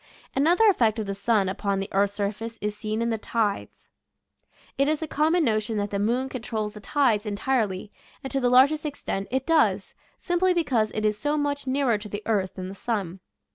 Another effect of the sun upon the earth's surface is seen in the tides. It is a common notion that the moon controls the tides en tirely, and to the largest extent it does, simply because it is so much nearer to the earth than the sun.